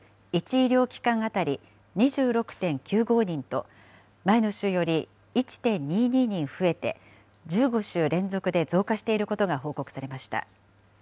医療機関当たり２６．９５人と、前の週より１．２２人増えて、１５週連続で増加していることが報告されました。